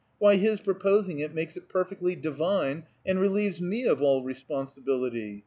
Why his proposing it makes it perfectly divine, and relieves me of all responsibility.